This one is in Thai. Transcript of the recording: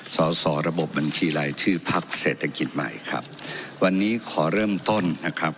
สอสอระบบบัญชีรายชื่อพักเศรษฐกิจใหม่ครับวันนี้ขอเริ่มต้นนะครับ